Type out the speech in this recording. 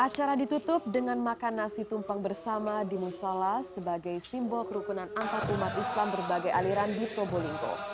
acara ditutup dengan makan nasi tumpeng bersama di musola sebagai simbol kerukunan antarumat islam berbagai aliran di probolinggo